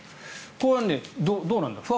これはどうなんですか。